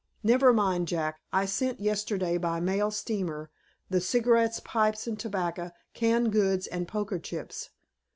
Never mind, Jack; I sent yesterday by mail steamer the cigarettes, pipes and tobacco, canned goods and poker chips.